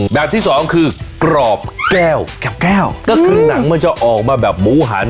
แบบที่๒คือกรอบแก้วก็คือหนังมันจะออกมาแบบหมูหัน